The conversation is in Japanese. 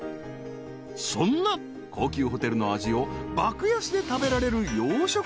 ［そんな高級ホテルの味を爆安で食べられる洋食屋さんへ］